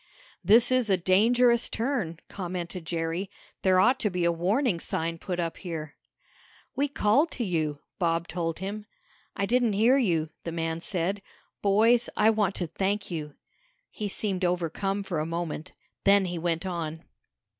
"This is a dangerous turn," commented Jerry. "There ought to be a warning sign put up here." "We called to you," Bob told him. "I didn't hear you," the man said. "Boys, I want to thank you!" He seemed overcome for a moment. Then he went on.